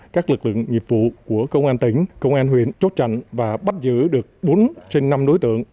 các lực lượng nghiệp vụ của công an tỉnh công an huyện chốt chặn và bắt giữ được bốn trên năm đối tượng